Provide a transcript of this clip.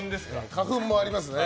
花粉もありますね。